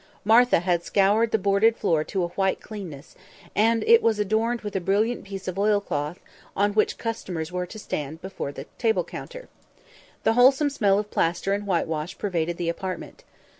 Martha had scoured the boarded floor to a white cleanness, and it was adorned with a brilliant piece of oil cloth, on which customers were to stand before the table counter. The wholesome smell of plaster and whitewash pervaded the apartment.